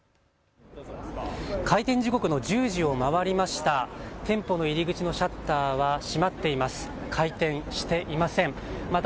開店時刻の１０時を回りました。